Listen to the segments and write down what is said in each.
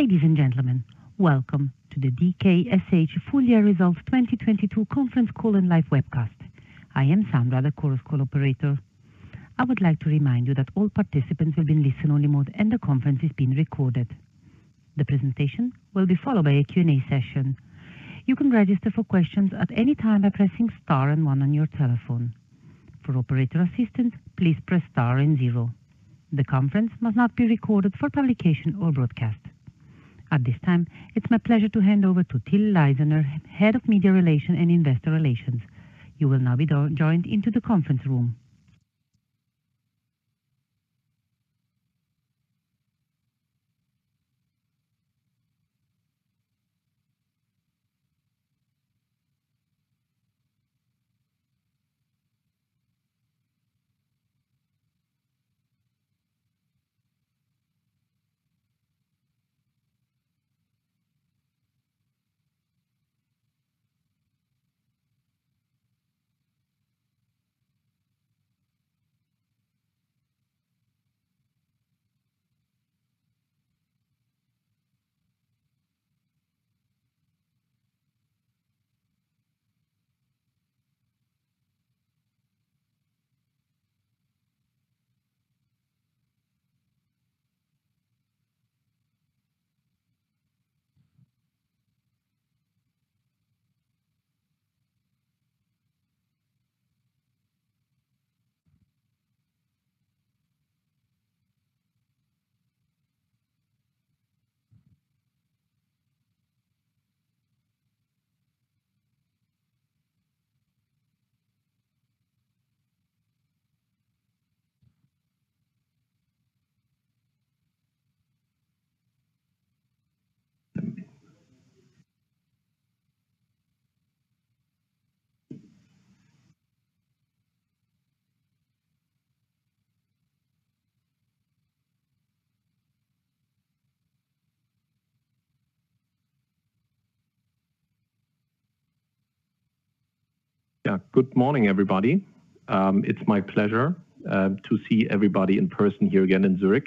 Ladies and gentlemen, welcome to the DKSH Full Year Results 2022 conference call and live webcast. I am Sandra, the Chorus Call operator. I would like to remind you that all participants will be in listen-only mode, and the conference is being recorded. The presentation will be followed by a Q&A session. You can register for questions at any time by pressing star and one on your telephone. For operator assistance, please press star and zero. The conference must not be recorded for publication or broadcast. At this time, it's my pleasure to hand over to Till Leisner, Head of Media Relations and Investor Relations. You will now be joined into the conference room. Good morning, everybody. It's my pleasure to see everybody in person here again in Zurich.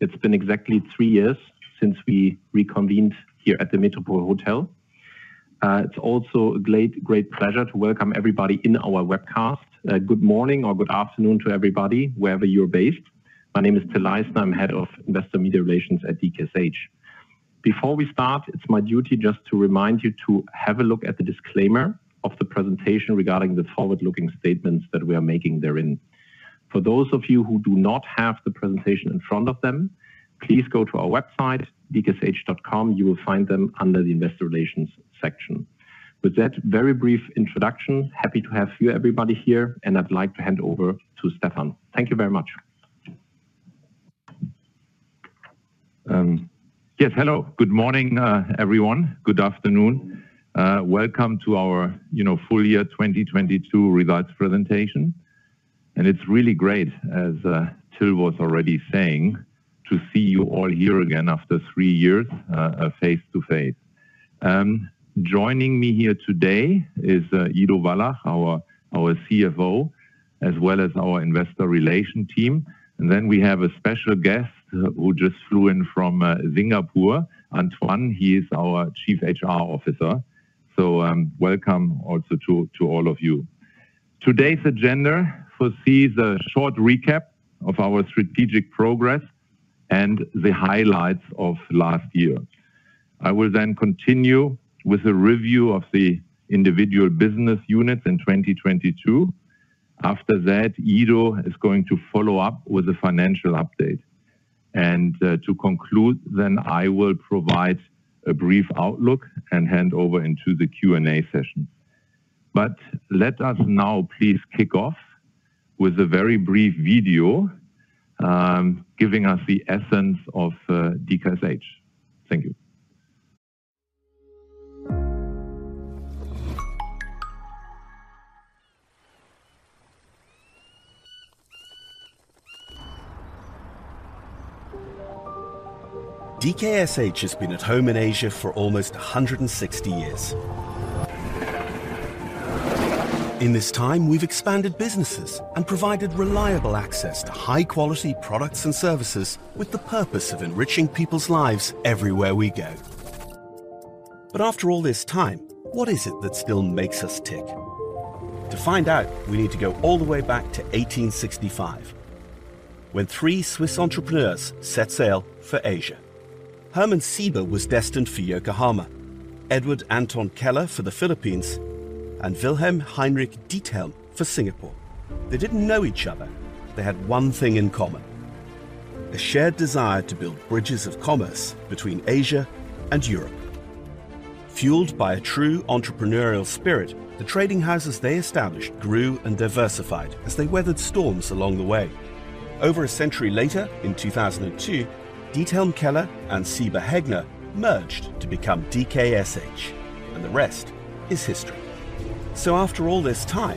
It's been exactly 3 years since we reconvened here at the Hotel Metropol. It's also a great pleasure to welcome everybody in our webcast. Good morning or good afternoon to everybody, wherever you're based. My name is Till Leisner. I'm Head of Investor Media Relations at DKSH. Before we start, it's my duty just to remind you to have a look at the disclaimer of the presentation regarding the forward-looking statements that we are making therein. For those of you who do not have the presentation in front of them, please go to our website, dksh.com. You will find them under the Investor Relations section. With that very brief introduction, happy to have you, everybody here, and I'd like to hand over to Stefan. Thank you very much. Yes. Hello. Good morning, everyone. Good afternoon. Welcome to our, you know, full year 2022 results presentation. It's really great, as Till was already saying, to see you all here again after 3 years face to face. Joining me here today is Ido Wallach, our CFO, as well as our investor relation team. Then we have a special guest who just flew in from Singapore, Antoine. He is our Chief HR Officer. Welcome also to all of you. Today's agenda foresees a short recap of our strategic progress and the highlights of last year. I will then continue with a review of the individual business units in 2022. After that, Ido is going to follow up with a financial update. To conclude, then I will provide a brief outlook and hand over into the Q&A session. Let us now please kick off with a very brief video, giving us the essence of DKSH. Thank you. DKSH has been at home in Asia for almost 160 years. In this time, we've expanded businesses and provided reliable access to high quality products and services with the purpose of enriching people's lives everywhere we go. After all this time, what is it that still makes us tick? To find out, we need to go all the way back to 1865, when three Swiss entrepreneurs set sail for Asia. Hermann Siber was destined for Yokohama, Edward Anton Keller for the Philippines, and Wilhelm Heinrich Diethelm for Singapore. They didn't know each other. They had one thing in common, a shared desire to build bridges of commerce between Asia and Europe. Fueled by a true entrepreneurial spirit, the trading houses they established grew and diversified as they weathered storms along the way. Over a century later, in 2002, Diethelm Keller and SiberHegner merged to become DKSH. The rest is history. After all this time,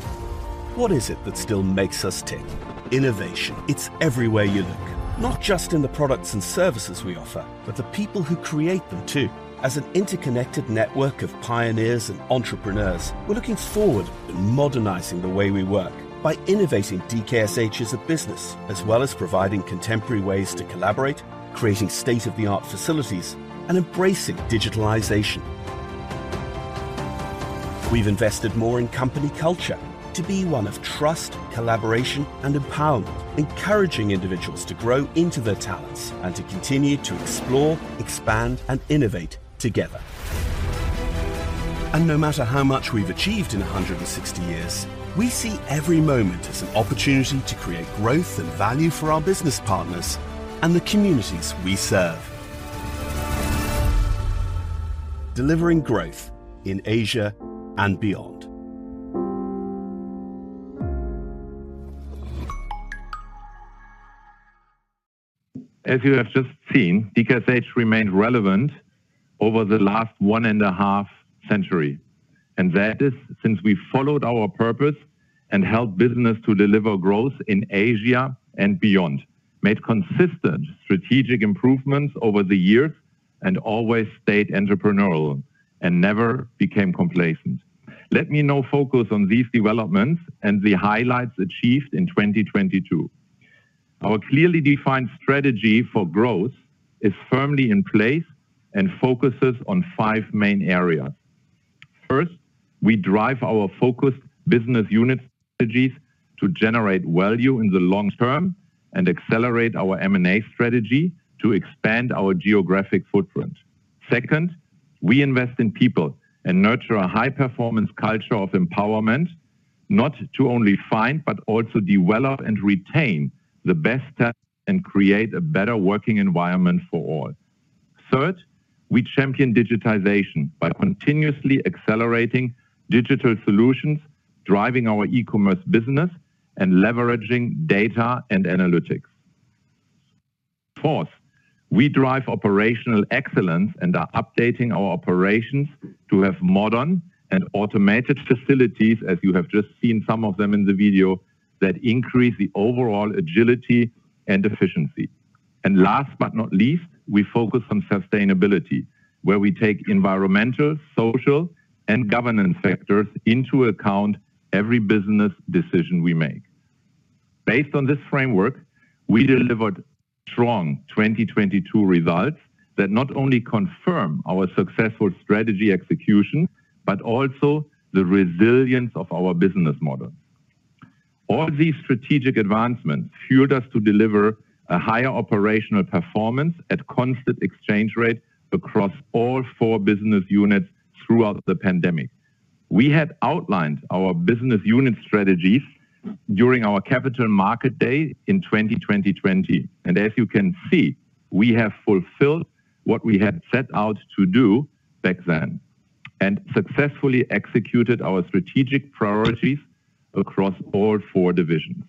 what is it that still makes us tick? Innovation. It's everywhere you look, not just in the products and services we offer, but the people who create them too. As an interconnected network of pioneers and entrepreneurs, we're looking forward in modernizing the way we work by innovating DKSH as a business, as well as providing contemporary ways to collaborate, creating state-of-the-art facilities, and embracing digitalization. We've invested more in company culture to be one of trust, collaboration, and empowerment, encouraging individuals to grow into their talents and to continue to explore, expand, and innovate together. No matter how much we've achieved in 160 years, we see every moment as an opportunity to create growth and value for our business partners and the communities we serve. Delivering growth in Asia and beyond. As you have just seen, DKSH remained relevant over the last one and a half century. That is since we followed our purpose and helped business to deliver growth in Asia and beyond, made consistent strategic improvements over the years and always stayed entrepreneurial and never became complacent. Let me now focus on these developments and the highlights achieved in 2022. Our clearly defined strategy for growth is firmly in place and focuses on 5 main areas. First, we drive our focused business unit strategies to generate value in the long term and accelerate our M&A strategy to expand our geographic footprint. Second, we invest in people and nurture a high-performance culture of empowerment, not to only find, but also develop and retain the best talent and create a better working environment for all. Third, we champion digitization by continuously accelerating digital solutions, driving our eCommerce business, and leveraging data and analytics. Fourth, we drive operational excellence and are updating our operations to have modern and automated facilities, as you have just seen some of them in the video, that increase the overall agility and efficiency. Last but not least, we focus on sustainability, where we take environmental, social, and governance factors into account every business decision we make. Based on this framework, we delivered strong 2022 results that not only confirm our successful strategy execution, but also the resilience of our business model. All these strategic advancements fueled us to deliver a higher operational performance at constant exchange rate across all four business units throughout the pandemic. We had outlined our business unit strategies during our Capital Markets Day in 2020. As you can see, we have fulfilled what we had set out to do back then and successfully executed our strategic priorities across all four divisions.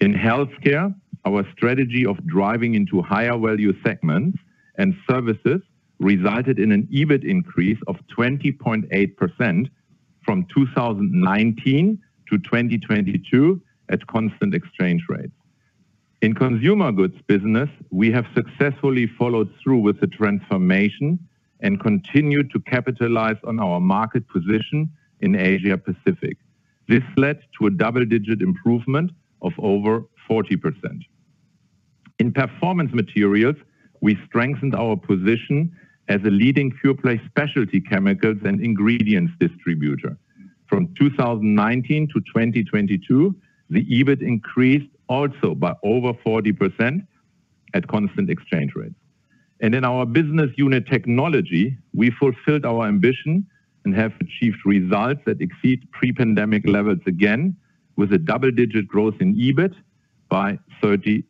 In Healthcare, our strategy of driving into higher value segments and services resulted in an EBIT increase of 20.8% from 2019 to 2022 at constant exchange rates. In Consumer Goods business, we have successfully followed through with the transformation and continued to capitalize on our market position in Asia Pacific. This led to a double-digit improvement of over 40%. In Performance Materials, we strengthened our position as a leading pure-play specialty chemicals and ingredients distributor. From 2019 to 2022, the EBIT increased also by over 40% at constant exchange rates. In our business unit technology, we fulfilled our ambition and have achieved results that exceed pre-pandemic levels again with a double-digit growth in EBIT by 37%.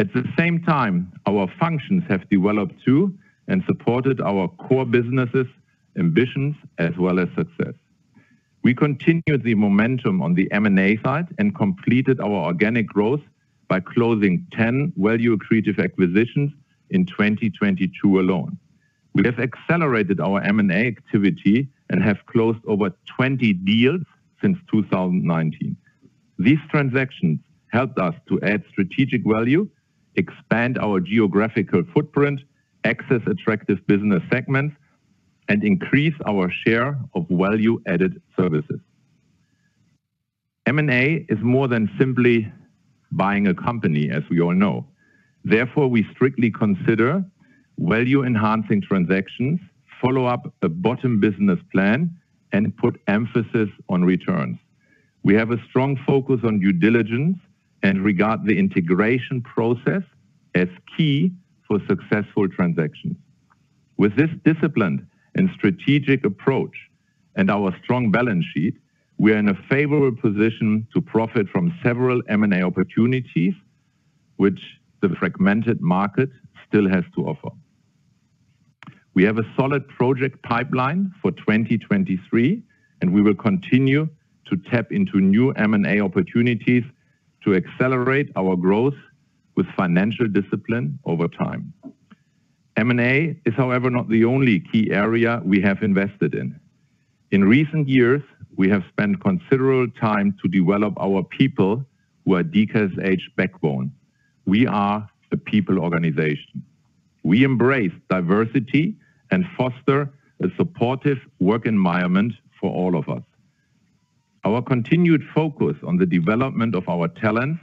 At the same time, our functions have developed too and supported our core businesses ambitions as well as success. We continued the momentum on the M&A side and completed our organic growth by closing 10 value-accretive acquisitions in 2022 alone. We have accelerated our M&A activity and have closed over 20 deals since 2019. These transactions helped us to add strategic value, expand our geographical footprint, access attractive business segments, and increase our share of value-added services. M&A is more than simply buying a company, as we all know. Therefore, we strictly consider value-enhancing transactions, follow up a bottom business plan, and put emphasis on returns. We have a strong focus on due diligence and regard the integration process as key for successful transactions. With this disciplined and strategic approach and our strong balance sheet, we are in a favorable position to profit from several M&A opportunities which the fragmented market still has to offer. We have a solid project pipeline for 2023. We will continue to tap into new M&A opportunities to accelerate our growth with financial discipline over time. M&A is, however, not the only key area we have invested in. In recent years, we have spent considerable time to develop our people who are DKSH backbone. We are a people organization. We embrace diversity and foster a supportive work environment for all of us. Our continued focus on the development of our talent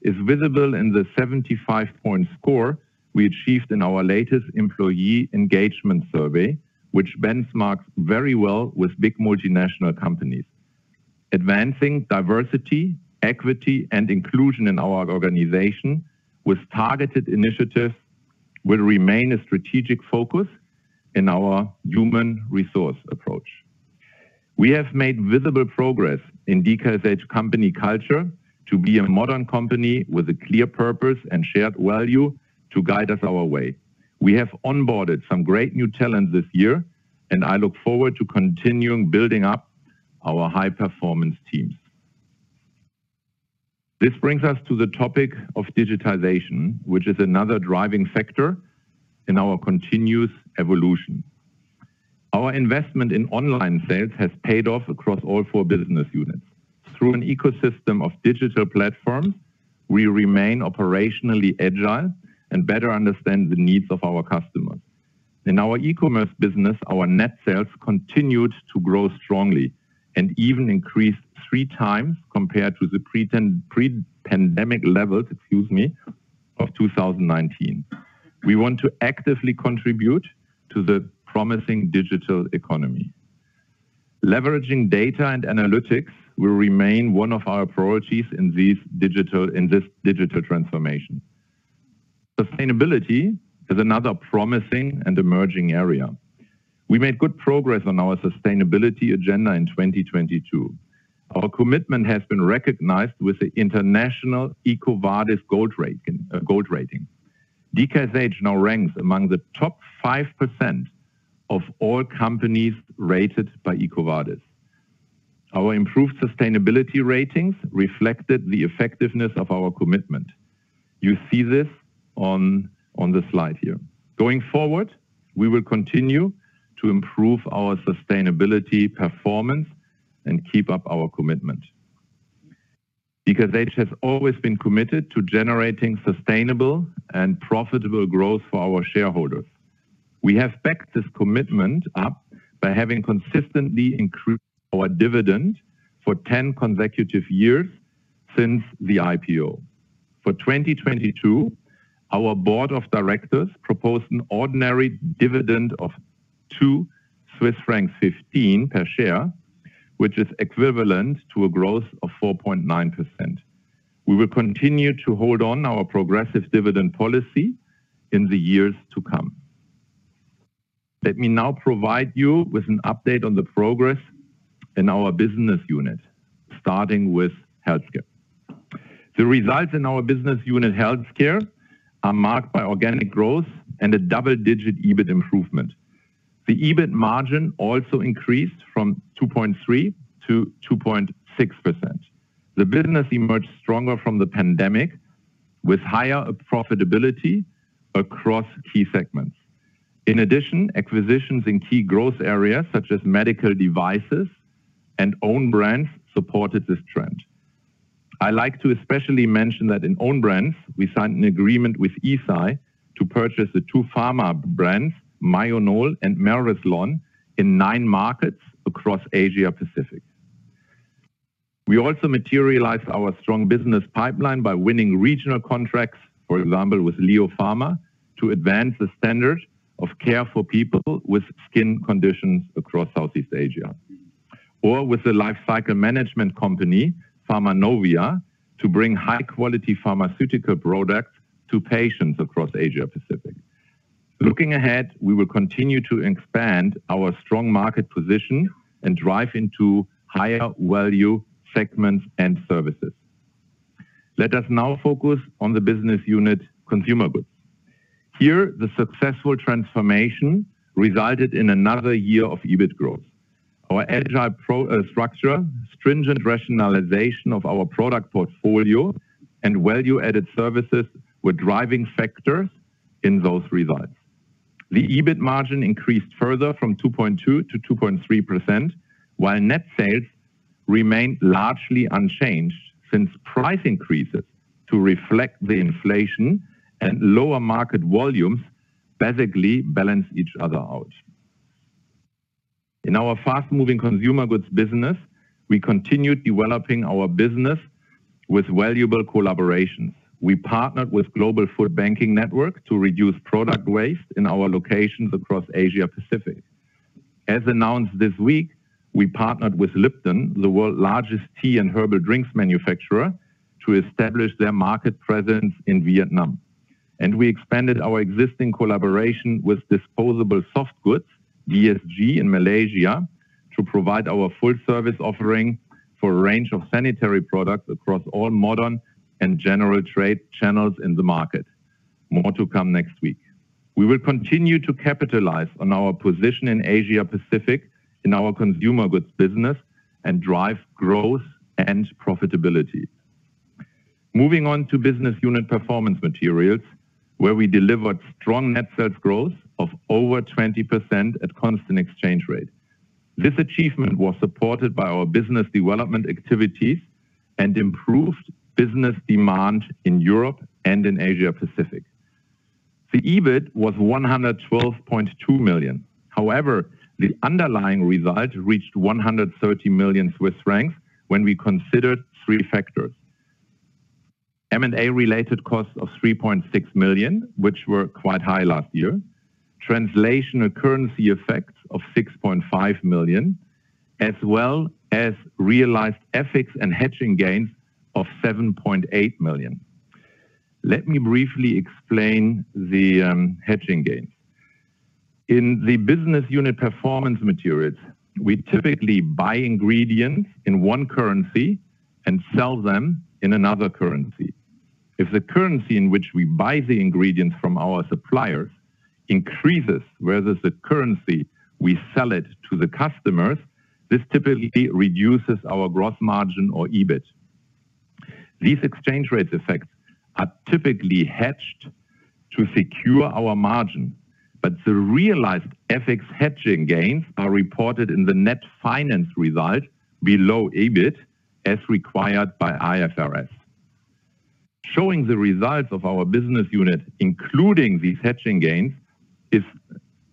is visible in the 75 point score we achieved in our latest employee engagement survey, which benchmarks very well with big multinational companies. Advancing diversity, equity, and inclusion in our organization with targeted initiatives will remain a strategic focus in our human resource approach. We have made visible progress in DKSH company culture to be a modern company with a clear purpose and shared value to guide us our way. We have onboarded some great new talent this year, and I look forward to continuing building up our high-performance teams. This brings us to the topic of digitization, which is another driving factor in our continuous evolution. Our investment in online sales has paid off across all four business units. Through an ecosystem of digital platforms, we remain operationally agile and better understand the needs of our customers. In our eCommerce business, our net sales continued to grow strongly and even increased 3 times compared to the pre-pandemic levels, excuse me, of 2019. We want to actively contribute to the promising digital economy. Leveraging data and analytics will remain one of our priorities in these digital, in this digital transformation. Sustainability is another promising and emerging area. We made good progress on our sustainability agenda in 2022. Our commitment has been recognized with the international EcoVadis Gold Rating. DKSH now ranks among the top 5% of all companies rated by EcoVadis. Our improved sustainability ratings reflected the effectiveness of our commitment. You see this on the slide here. Going forward, we will continue to improve our sustainability performance and keep up our commitment. DKSH has always been committed to generating sustainable and profitable growth for our shareholders. We have backed this commitment up by having consistently increased our dividend for 10 consecutive years since the IPO. For 2022, our board of directors proposed an ordinary dividend of 2.15 Swiss francs per share, which is equivalent to a growth of 4.9%. We will continue to hold on our progressive dividend policy in the years to come. Let me now provide you with an update on the progress in our business unit, starting with healthcare. The results in our business unit healthcare are marked by organic growth and a double-digit EBIT improvement. The EBIT margin also increased from 2.3% to 2.6%. The business emerged stronger from the pandemic with higher profitability across key segments. Acquisitions in key growth areas, such as medical devices and own brands, supported this trend. I like to especially mention that in own brands, we signed an agreement with Eisai to purchase the two pharma brands, Myonal and Merislon, in nine markets across Asia-Pacific. We also materialized our strong business pipeline by winning regional contracts, for example, with LEO Pharma, to advance the standard of care for people with skin conditions across Southeast Asia, or with the lifecycle management company, Pharmanovia, to bring high-quality pharmaceutical products to patients across Asia-Pacific. Looking ahead, we will continue to expand our strong market position and drive into higher value segments and services. Let us now focus on the business unit consumer goods. Here, the successful transformation resulted in another year of EBIT growth. Our agile pro structure, stringent rationalization of our product portfolio, and value-added services were driving factors in those results. The EBIT margin increased further from 2.2% to 2.3%, while net sales remained largely unchanged since price increases to reflect the inflation and lower market volumes basically balance each other out. In our fast-moving consumer goods business, we continued developing our business with valuable collaborations. We partnered with Global FoodBanking Network to reduce product waste in our locations across Asia-Pacific. As announced this week, we partnered with Lipton, the world's largest tea and herbal drinks manufacturer, to establish their market presence in Vietnam. We expanded our existing collaboration with Disposable Soft Goods, DSG, in Malaysia to provide our food service offering for a range of sanitary products across all modern and general trade channels in the market. More to come next week. We will continue to capitalize on our position in Asia-Pacific in our consumer goods business and drive growth and profitability. Moving on to Business Unit Performance Materials, where we delivered strong net sales growth of over 20% at constant exchange rate. This achievement was supported by our business development activities and improved business demand in Europe and in Asia-Pacific. The EBIT was 112.2 million. The underlying result reached 130 million Swiss franc when we considered three factors. M&A related costs of 3.6 million, which were quite high last year, translational currency effects of 6.5 million, as well as realized FX and hedging gains of 7.8 million. Let me briefly explain the hedging gains. In the Business Unit Performance Materials, we typically buy ingredients in one currency and sell them in another currency. The currency in which we buy the ingredients from our suppliers increases whereas the currency we sell it to the customers, this typically reduces our gross margin or EBIT. These exchange rates effects are typically hedged to secure our margin, the realized FX hedging gains are reported in the net finance result below EBIT as required by IFRS. Showing the results of our business unit, including these hedging gains, is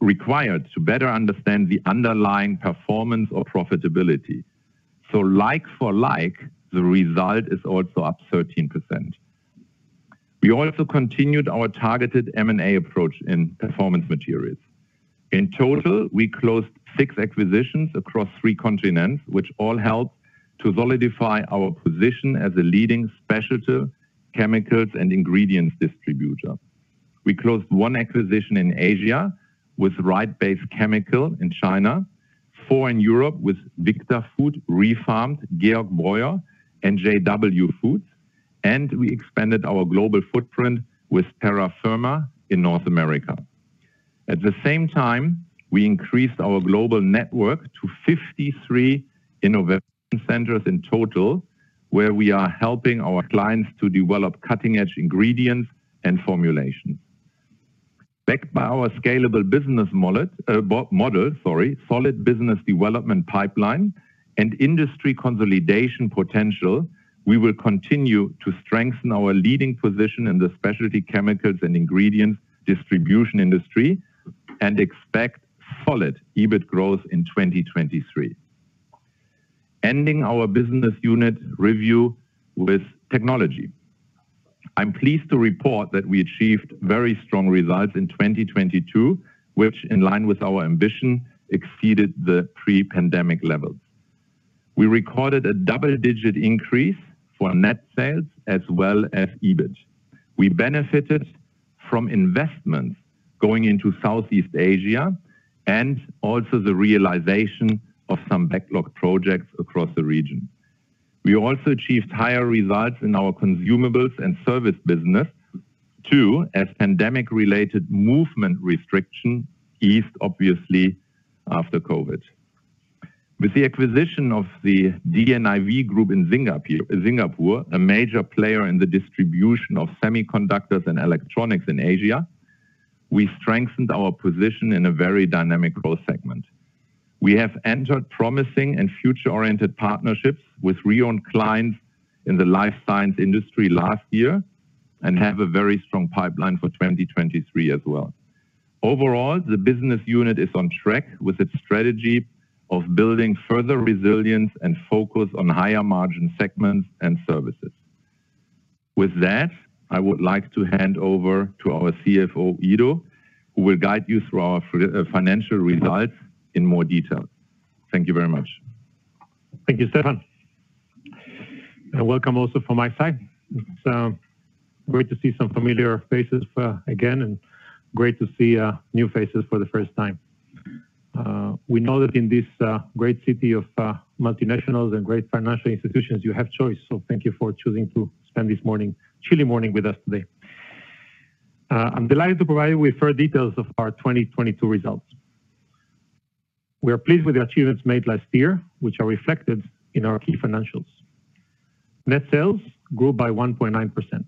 required to better understand the underlying performance or profitability. Like for like, the result is also up 13%. We also continued our targeted M&A approach in Performance Materials. In total, we closed six acquisitions across three continents, which all helped to solidify our position as a leading specialty chemicals and ingredients distributor. We closed one acquisition in Asia with Right Base Chemicals in China, four in Europe with Victa Food, Refarmed, Georg Breuer, and JW Foods. We expanded our global footprint with Terra Firma in North America. At the same time, we increased our global network to 53 innovation centers in total, where we are helping our clients to develop cutting-edge ingredients and formulations. Backed by our scalable business model, sorry, solid business development pipeline and industry consolidation potential, we will continue to strengthen our leading position in the specialty chemicals and ingredients distribution industry and expect solid EBIT growth in 2023. Ending our business unit review with technology. I'm pleased to report that we achieved very strong results in 2022, which in line with our ambition, exceeded the pre-pandemic levels. We recorded a double-digit increase for net sales as well as EBIT. We benefited from investments going into Southeast Asia and also the realization of some backlog projects across the region. We also achieved higher results in our consumables and service business, too, as pandemic-related movement restriction eased obviously after COVID. With the acquisition of the DNIV Group in Singapore, a major player in the distribution of semiconductors and electronics in Asia, we strengthened our position in a very dynamic growth segment. We have entered promising and future-oriented partnerships with Rion Klein in the life science industry last year and have a very strong pipeline for 2023 as well. Overall, the business unit is on track with its strategy of building further resilience and focus on higher margin segments and services. With that, I would like to hand over to our CFO, Ido, who will guide you through our financial results in more detail. Thank you very much. Thank you, Stefan. Welcome also from my side. It's great to see some familiar faces for again and great to see new faces for the first time. We know that in this great city of multinationals and great financial institutions, you have choice. Thank you for choosing to spend this morning, chilly morning with us today. I'm delighted to provide you with further details of our 2022 results. We are pleased with the achievements made last year, which are reflected in our key financials. Net sales grew by 1.9%.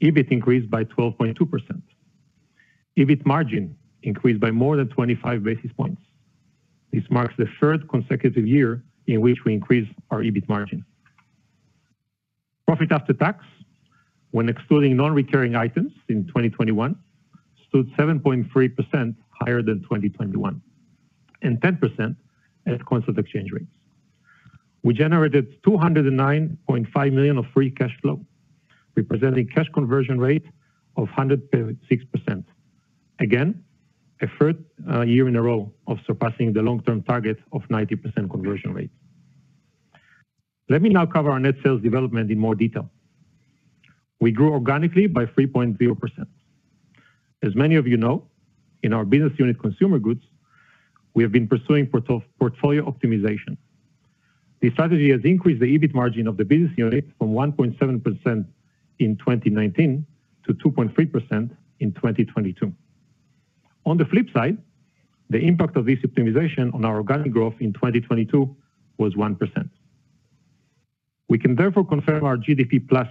EBIT increased by 12.2%. EBIT margin increased by more than 25 basis points. This marks the third consecutive year in which we increased our EBIT margin. Profit after tax, when excluding non-recurring items in 2021, stood 7.3% higher than 2021 and 10% at constant exchange rates. We generated 209.5 million of free cash flow, representing cash conversion rate of 106%. Again, a third year in a row of surpassing the long-term target of 90% conversion rate. Let me now cover our net sales development in more detail. We grew organically by 3.0%. As many of you know, in our Business Unit Consumer Goods, we have been pursuing portfolio optimization. This strategy has increased the EBIT margin of the Business Unit from 1.7% in 2019 to 2.3% in 2022. On the flip side, the impact of this optimization on our organic growth in 2022 was 1%. We can therefore confirm our GDP plus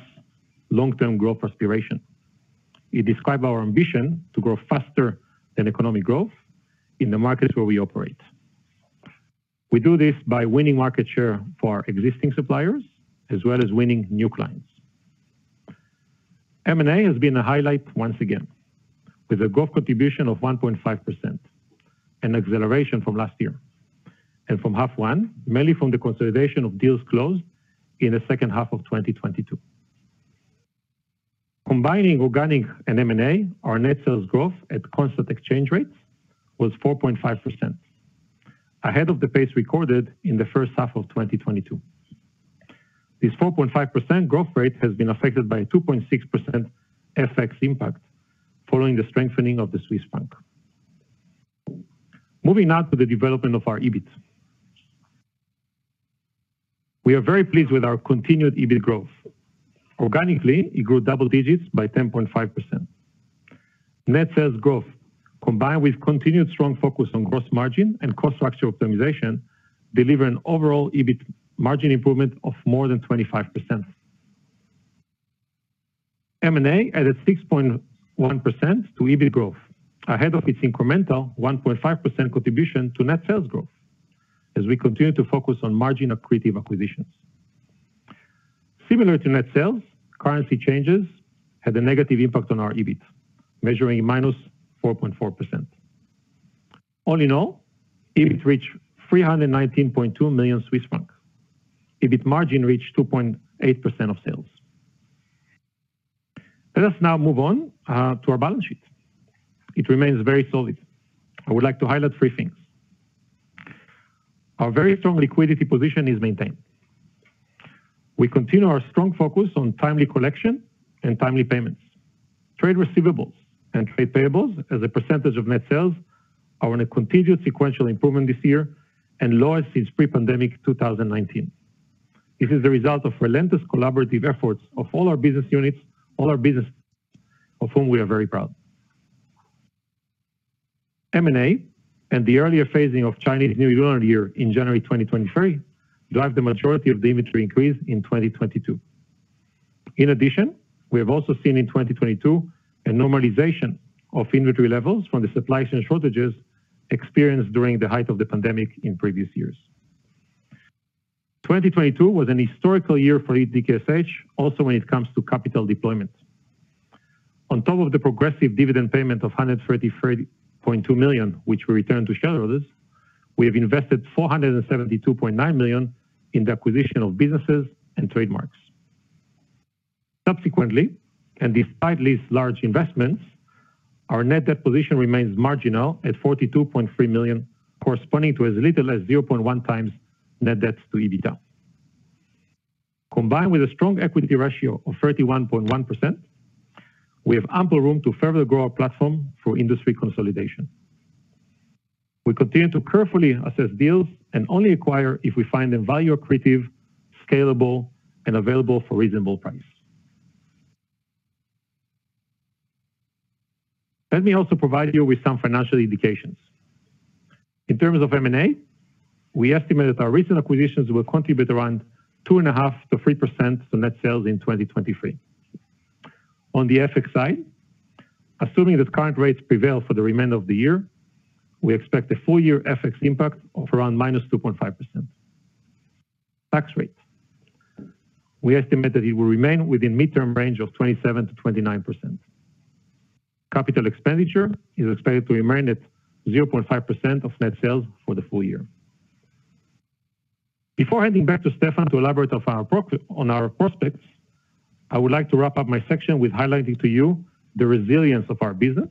long-term growth aspiration. It describes our ambition to grow faster than economic growth in the markets where we operate. We do this by winning market share for our existing suppliers, as well as winning new clients. M&A has been a highlight once again, with a growth contribution of 1.5%, an acceleration from last year, and from half 1, mainly from the consolidation of deals closed in the second half of 2022. Combining organic and M&A, our net sales growth at constant exchange rates was 4.5%, ahead of the pace recorded in the first half of 2022. This 4.5% growth rate has been affected by a 2.6% FX impact following the strengthening of the Swiss franc. Moving now to the development of our EBIT. We are very pleased with our continued EBIT growth. Organically, it grew double digits by 10.5%. Net sales growth, combined with continued strong focus on gross margin and cost structure optimization, deliver an overall EBIT margin improvement of more than 25%. M&A added 6.1% to EBIT growth, ahead of its incremental 1.5% contribution to net sales growth as we continue to focus on margin-accretive acquisitions. Similar to net sales, currency changes had a negative impact on our EBIT, measuring -4.4%. All in all, EBIT reached 319.2 million Swiss francs. EBIT margin reached 2.8% of sales. Let us now move on to our balance sheet. It remains very solid. I would like to highlight three things. Our very strong liquidity position is maintained. We continue our strong focus on timely collection and timely payments. Trade receivables and trade payables as a percentage of net sales are on a continued sequential improvement this year and lower since pre-pandemic 2019. This is the result of relentless collaborative efforts of all our business units, all our business, of whom we are very proud. M&A and the earlier phasing of Chinese New Lunar Year in January 2023 drive the majority of the inventory increase in 2022. In addition, we have also seen in 2022 a normalization of inventory levels from the supplies and shortages experienced during the height of the pandemic in previous years. 2022 was an historical year for DKSH also when it comes to capital deployment. On top of the progressive dividend payment of 133.2 million, which we returned to shareholders, we have invested 472.9 million in the acquisition of businesses and trademarks. Subsequently, despite these large investments, our net debt position remains marginal at 42.3 million, corresponding to as little as 0.1 times net debt to EBITDA. Combined with a strong equity ratio of 31.1%, we have ample room to further grow our platform for industry consolidation. We continue to carefully assess deals and only acquire if we find them value accretive, scalable, and available for reasonable price. Let me also provide you with some financial indications. In terms of M&A, we estimate that our recent acquisitions will contribute around 2.5% to 3% to net sales in 2023. On the FX side, assuming that current rates prevail for the remainder of the year, we expect a full-year FX impact of around -2.5%. Tax rate. We estimate that it will remain within midterm range of 27%-29%. CapEx is expected to remain at 0.5% of net sales for the full year. Before handing back to Stefan to elaborate on our prospects, I would like to wrap up my section with highlighting to you the resilience of our business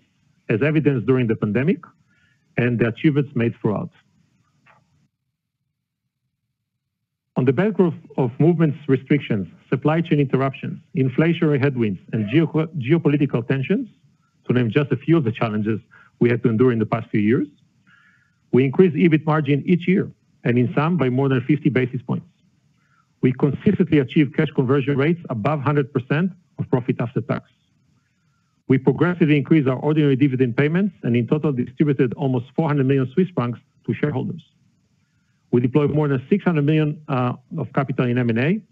as evidenced during the pandemic and the achievements made throughout. On the back of movements restrictions, supply chain interruptions, inflationary headwinds, and geopolitical tensions, to name just a few of the challenges we had to endure in the past few years, we increased EBIT margin each year, and in some by more than 50 basis points. We consistently achieve cash conversion rates above 100% of profit after tax. We progressively increase our ordinary dividend payments, in total distributed almost 400 million Swiss francs to shareholders. We deployed more than 600 million of capital in M&A,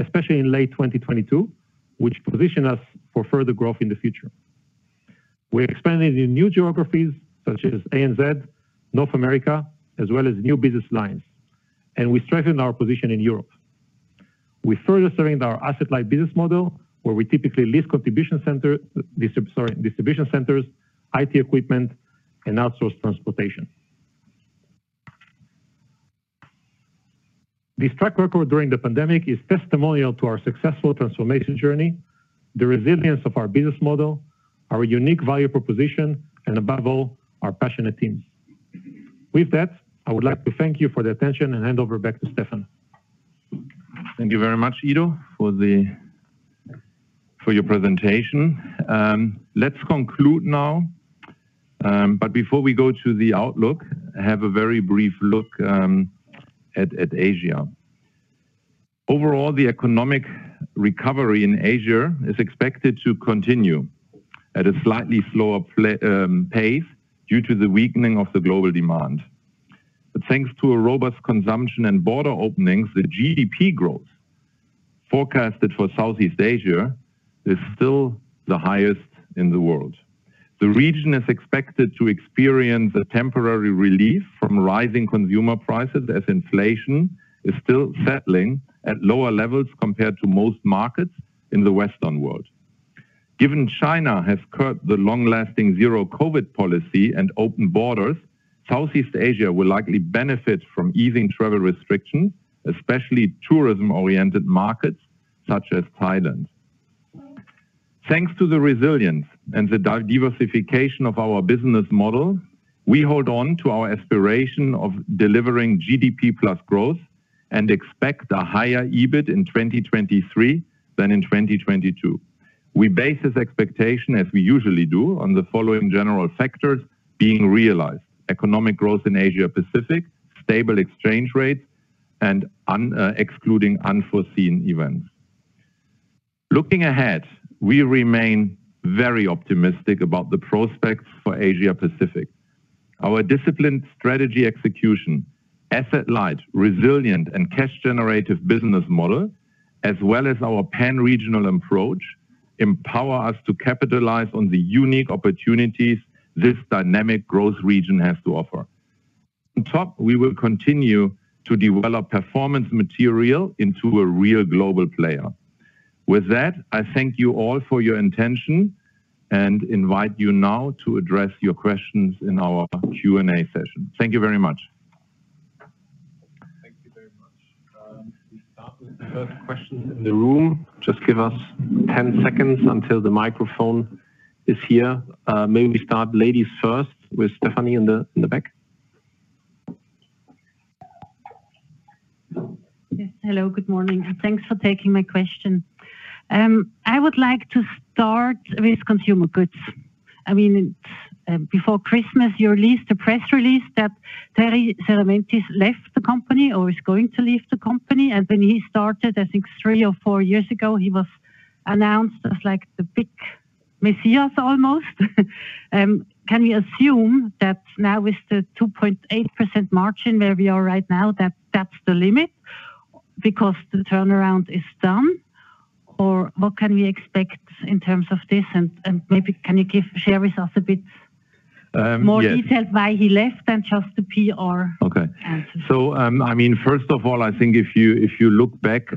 especially in late 2022, which position us for further growth in the future. We expanded in new geographies such as ANZ, North America, as well as new business lines, we strengthened our position in Europe. We further strengthened our asset-light business model, where we typically lease contribution center, distribution centers, IT equipment, and outsource transportation. This track record during the pandemic is testimonial to our successful transformation journey, the resilience of our business model, our unique value proposition, and above all, our passionate teams. With that, I would like to thank you for the attention and hand over back to Stefan. Thank you very much, Ido, for your presentation. Let's conclude now, but before we go to the outlook, have a very brief look at Asia. Overall, the economic recovery in Asia is expected to continue at a slightly slower pace due to the weakening of the global demand. Thanks to a robust consumption and border openings, the GDP growth forecasted for Southeast Asia is still the highest in the world. The region is expected to experience a temporary relief from rising consumer prices as inflation is still settling at lower levels compared to most markets in the Western world. Given China has curbed the long-lasting zero COVID policy and open borders, Southeast Asia will likely benefit from easing travel restrictions, especially tourism-oriented markets such as Thailand. Thanks to the resilience and the diversification of our business model, we hold on to our aspiration of delivering GDP plus growth and expect a higher EBIT in 2023 than in 2022. We base this expectation, as we usually do, on the following general factors being realized: economic growth in Asia-Pacific, stable exchange rates, and excluding unforeseen events. Looking ahead, we remain very optimistic about the prospects for Asia-Pacific. Our disciplined strategy execution, asset light, resilient, and cash generative business model, as well as our pan-regional approach, empower us to capitalize on the unique opportunities this dynamic growth region has to offer. On top, we will continue to develop Performance Materials into a real global player. With that, I thank you all for your intention and invite you now to address your questions in our Q&A session. Thank you very much. Thank you very much. We start with the first question in the room. Just give us 10 seconds until the microphone is here. Maybe we start ladies first with Stephanie in the, in the back. Yes. Hello, good morning. Thanks for taking my question. I would like to start with consumer goods. I mean, before Christmas, you released a press release that Terry Kyriakou left the company or is going to leave the company. When he started, I think three or four years ago, he was announced as like the big messiah almost. Can we assume that now with the 2.8% margin where we are right now, that that's the limit because the turnaround is done? What can we expect in terms of this? Maybe can you share with us a bit... Yes.... more details why he left than just the PR answer. Okay. I mean, first of all, I think if you look back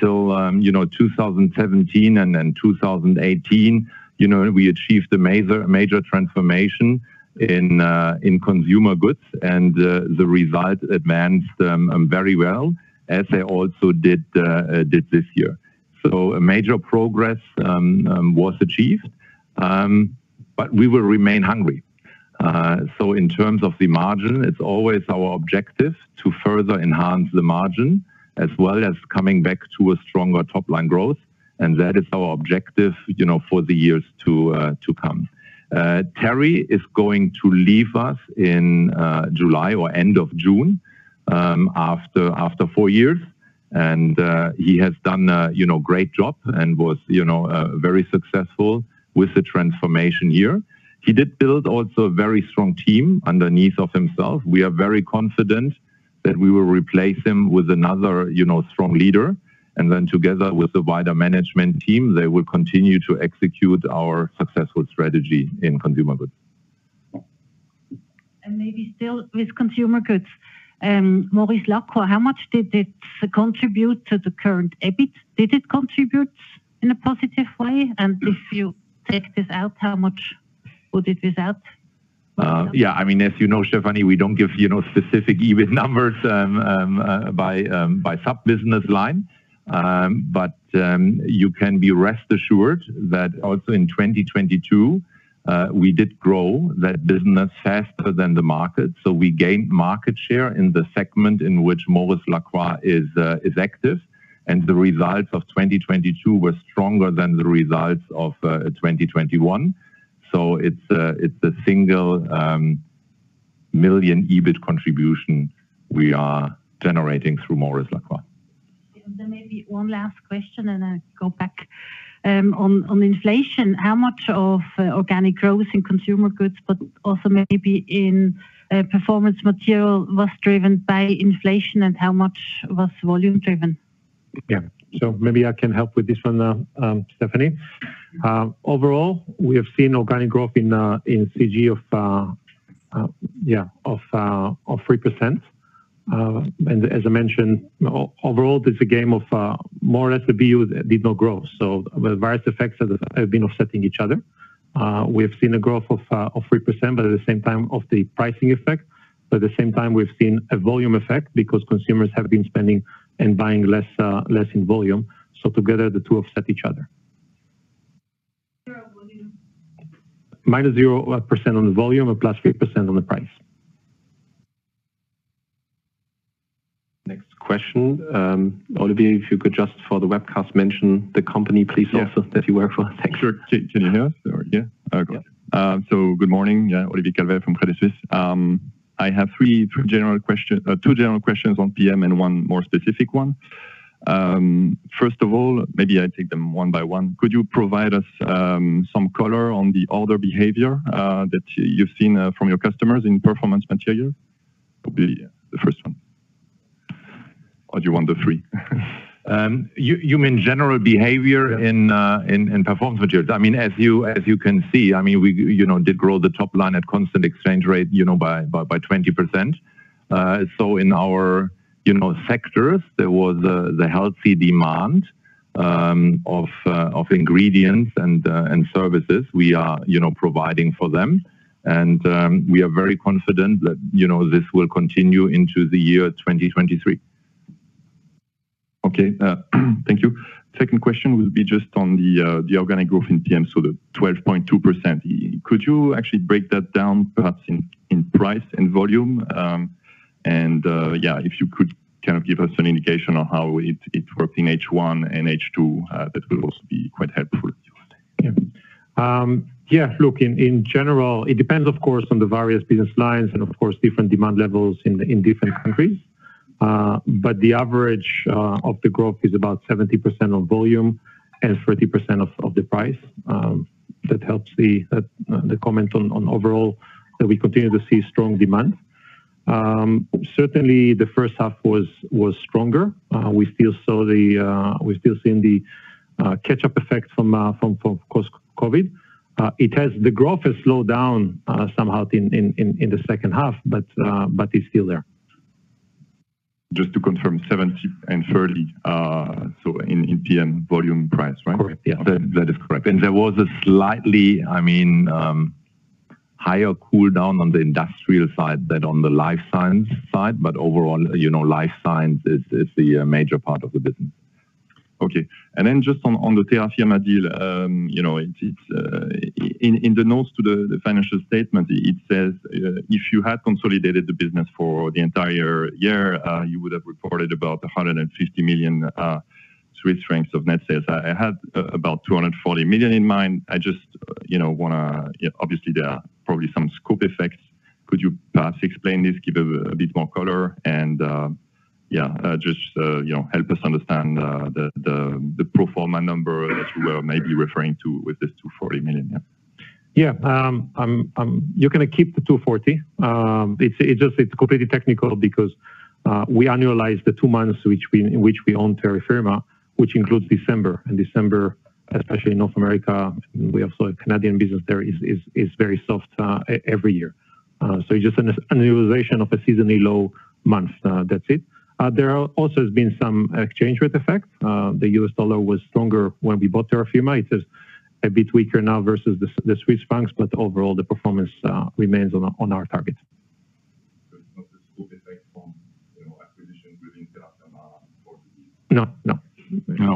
till, you know, 2017 and then 2018, you know, we achieved a major transformation in consumer goods. The results advanced very well, as they also did this year. A major progress was achieved, but we will remain hungry. In terms of the margin, it's always our objective to further enhance the margin as well as coming back to a stronger top-line growth, and that is our objective, you know, for the years to come. Terry is going to leave us in July or end of June, after 4 years. He has done a, you know, great job and was, you know, very successful with the transformation here. He did build also a very strong team underneath of himself. We are very confident that we will replace him with another, you know, strong leader. Together with the wider management team, they will continue to execute our successful strategy in consumer goods. Maybe still with consumer goods, Maurice Lacroix, how much did it contribute to the current EBIT? Did it contribute in a positive way? If you take this out, how much would it be without? Yeah, I mean, as you know, Stephanie, we don't give, you know, specific EBIT numbers by sub-business line. You can be rest assured that also in 2022, we did grow that business faster than the market. We gained market share in the segment in which Maurice Lacroix is active, and the results of 2022 were stronger than the results of 2021. It's a single million EBIT contribution we are generating through Maurice Lacroix. Maybe one last question, and I go back, on inflation. How much of organic growth in consumer goods, but also maybe in Performance Materials was driven by inflation, and how much was volume driven? Yeah. Maybe I can help with this one, Stephanie. Overall, we have seen organic growth in CG of, yeah, of 3%. As I mentioned, overall, it's a game of more or less the BU that did no growth. The various effects have been offsetting each other. We have seen a growth of 3%, but at the same time of the pricing effect. At the same time, we've seen a volume effect because consumers have been spending and buying less in volume. Together, the two offset each other. Zero volume. Minus 0% on the volume or plus 3% on the price. Next question. Olivier, if you could just for the webcast mention the company please also. Yeah. that you work for. Thanks. Sure. Can you hear us or yeah? Yeah. Good morning. Yeah, Olivier Calvet from Credit Suisse. I have 2 general questions on PM and 1 more specific one. First of all, maybe I take them 1 by 1. Could you provide us some color on the order behavior that you've seen from your customers in Performance Materials? Probably, yeah, the first one. Do you want the 3? You mean general behavior? Yeah. in Performance Materials. I mean, as you, as you can see, I mean, we you know, did grow the top line at constant exchange rate, you know, by 20%. In our, you know, sectors, there was the healthy demand of ingredients and services we are, you know, providing for them. We are very confident that, you know, this will continue into the year 2023. Okay. Thank you. Second question will be just on the organic growth in PM, so the 12.2%. Could you actually break that down perhaps in price and volume? Yeah, if you could kind of give us an indication on how it worked in H1 and H2, that will also be quite helpful. Yeah, look, in general, it depends, of course, on the various business lines and of course, different demand levels in different countries. The average of the growth is about 70% of volume and 30% of the price. That helps the comment on overall that we continue to see strong demand. Certainly the first half was stronger. We still saw the, we're still seeing the catch-up effect from, of course, COVID. The growth has slowed down somehow in the second half, but it's still there. Just to confirm, 70 and 30, in PM volume price, right? Correct. Yeah. That is correct. There was a slightly, I mean, higher cool down on the industrial side than on the Life Science side. Overall, you know, Life Science is the major part of the business. Okay. Then just on the Terra Firma deal, you know, it's in the notes to the financial statement, it says, if you had consolidated the business for the entire year, you would have reported about 150 million Swiss francs of net sales. I had about 240 million in mind. I just, you know, wanna obviously there are probably some scope effects. Could you perhaps explain this, give a bit more color and, yeah, just, you know, help us understand the pro forma number that you were maybe referring to with this 240 million, yeah. You can keep the 240. It's just, it's completely technical because we annualize the 2 months which we own Terra Firma, which includes December. December, especially in North America, we have the Canadian business there, is very soft every year. Just an annualization of a seasonally low month, that's it. There are also has been some exchange rate effect. The US dollar was stronger when we bought Terra Firma. It is a bit weaker now versus the Swiss franc, overall the performance remains on our target. Not the scope effect from, you know, acquisition within Terra Firma. No, no.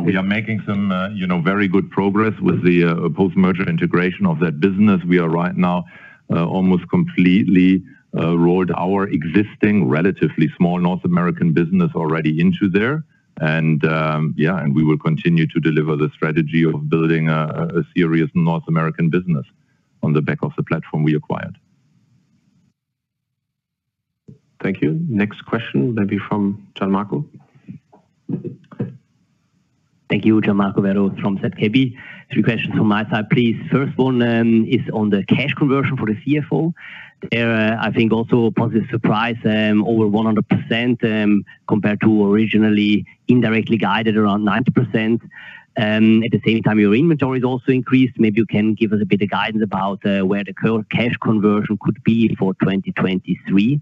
We are making some, you know, very good progress with the post-merger integration of that business. We are right now, almost completely, rolled our existing relatively small North American business already into there. Yeah, and we will continue to deliver the strategy of building a serious North American business on the back of the platform we acquired. Thank you. Next question will be from Gian marco. Thank you. Gian Marco Werro from ZKB. Three questions from my side, please. First one, is on the cash conversion for the CFO. There, I think also a positive surprise, over 100%, compared to originally indirectly guided around 90%. At the same time, your inventory has also increased. Maybe you can give us a bit of guidance about where the cash conversion could be for 2023.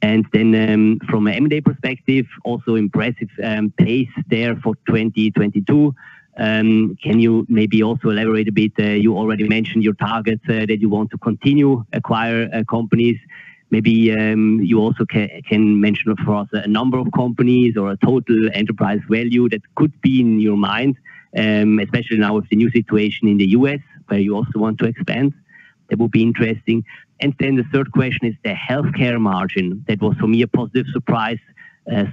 Then, from a M&A perspective, also impressive pace there for 2022. Can you maybe also elaborate a bit, you already mentioned your targets, that you want to continue acquire companies. Maybe, you also can mention for us a number of companies or a total enterprise value that could be in your mind, especially now with the new situation in the US, where you also want to expand. That would be interesting. The third question is the healthcare margin. That was for me a positive surprise,